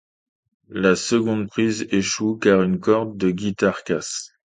La seconde prise échoue, car une corde de guitare casse.